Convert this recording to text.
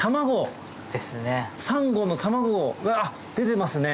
サンゴの卵うわ出てますね。